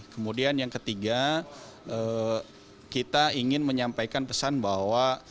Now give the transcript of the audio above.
kemudian yang ketiga kita ingin menyampaikan pesan bahwa